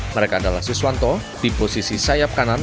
mereka adalah siswanto di posisi sayap kanan